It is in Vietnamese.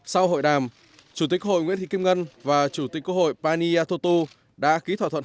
sau hội đàm chủ tịch hội nguyễn thị kim ngân và chủ tịch khu hội paniyatotu đã ký thỏa thuận